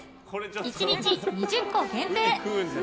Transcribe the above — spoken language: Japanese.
１日２０個限定！